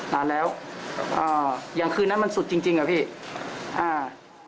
นานแล้วอ่าอย่างคืนนั้นมันสุดจริงจริงอ่ะพี่อ่า